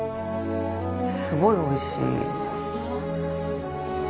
すごいおいしい。